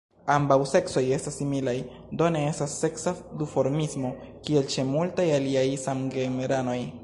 Ambaŭ seksoj estas similaj; do ne estas seksa duformismo kiel ĉe multaj aliaj samgenranoj.